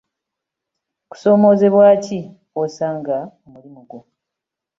Kusoomoozebwa ki kw'osanga mu mulimu gwo?